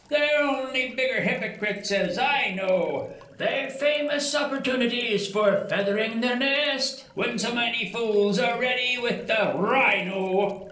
They are only bigger hypocrites, as I know; They've famous opportunities for feathering their nest, When so many fools are ready with the Rhino!